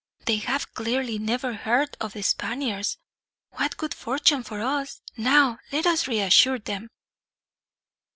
"They have clearly never heard of the Spaniards. What good fortune for us! Now, let us reassure them."